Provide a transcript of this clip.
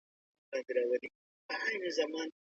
ببرک میاخیل وویل چي څېړنه حل لاره ده.